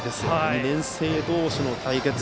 ２年生同士の対決。